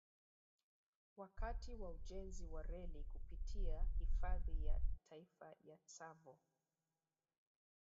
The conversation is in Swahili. Wakati wa ujenzi wa reli kupitia Hifadhi ya Taifa ya Tsavo